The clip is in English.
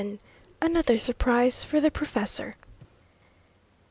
ANOTHER SURPRISE FOR THE PROFESSOR.